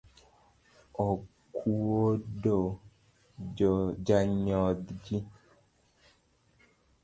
Okuodo janyodh ji.